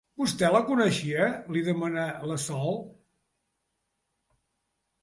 Vostè la coneixia? —li demana la Sol.